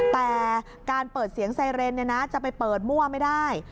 แต่การเปิดเสียงไซเรนจะไปเปิดมั่วไม่ได้